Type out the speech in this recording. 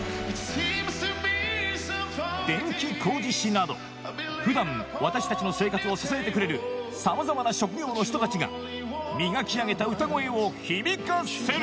電気工事士など普段私たちの生活を支えてくれるさまざまな職業の人たちが磨き上げた歌声を響かせる